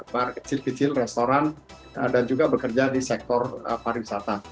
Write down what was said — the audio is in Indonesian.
bar kecil kecil restoran dan juga bekerja di sektor pariwisata